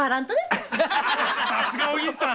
さすがお銀さん！